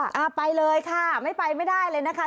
เอาไปเลยค่ะไม่ไปไม่ได้เลยนะคะ